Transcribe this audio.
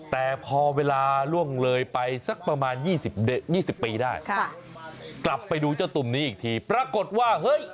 แต่พอเวลาล่วงเลยไปสักประมาณ๒๐ปีได้กลับไปดูเจ้าตุ่มนี้อีกทีปรากฏว่าเฮ้ย